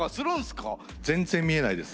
全然見えないです。